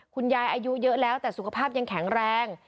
อายุเยอะแล้วแต่สุขภาพยังแข็งแรง